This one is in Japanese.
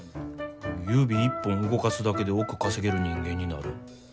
指一本動かすだけで億稼げる人間になる。